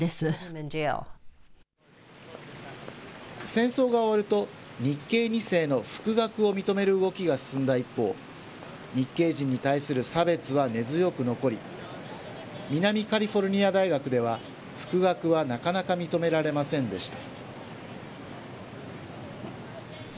戦争が終わると、日系２世の復学を認める動きが進んだ一方、日系人に対する差別は根強く残り、南カリフォルニア大学では復学はなかなか認められませんでした。